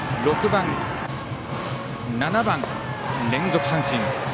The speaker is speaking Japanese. ６番、７番、連続三振。